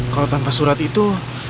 kalau tanpa surat itu